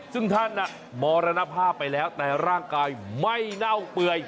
ซึ่งท่านมรณภาพไปแล้วแต่ร่างกายไม่เน่าเปื่อย